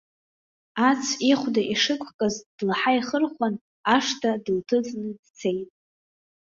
Ацә ихәда ишықәкыз длаҳаихырхәан, ашҭа дылҭыҵны дцеит.